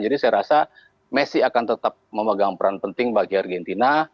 jadi saya rasa messi akan tetap memegang peran penting bagi argentina